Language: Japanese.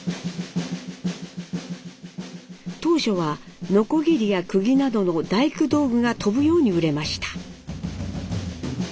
当初はノコギリやクギなどの大工道具が飛ぶように売れました。